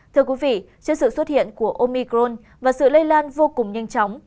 thưa quý vị trước sự xuất hiện của omicron và sự lây lan vô cùng nhanh chóng